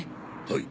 はい。